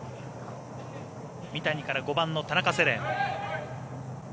三谷から５番の田中世蓮。